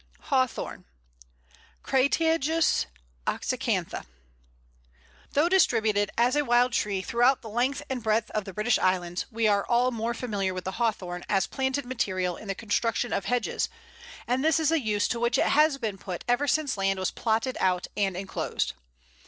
Hawthorn (Cratægus oxyacantha). Though distributed as a wild tree throughout the length and breadth of the British Islands, we are all more familiar with the Hawthorn as planted material in the construction of hedges, and this is a use to which it has been put ever since land was plotted out and enclosed.